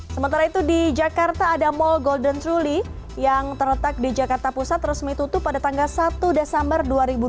sementara itu di jakarta ada mall golden truly yang terletak di jakarta pusat resmi tutup pada tanggal satu desember dua ribu dua puluh